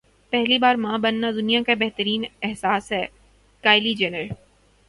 پہلی بار ماں بننا دنیا کا بہترین احساس ہے کایلی جینر